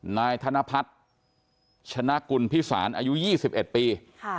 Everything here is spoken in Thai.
นายธนพัฒน์ชนะกุลพิษานอายุยี่สิบเอ็ดปีค่ะ